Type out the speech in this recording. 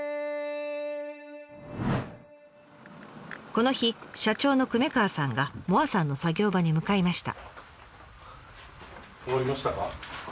この日社長の久米川さんが萌彩さんの作業場に向かいました。